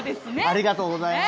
ありがとうございます。